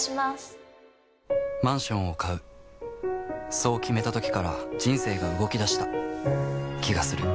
そう決めた時から人生が動きだした気がする